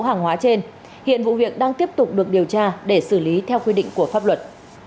hàng hóa trên hiện vụ việc đang tiếp tục được điều tra để xử lý theo quy định của pháp luật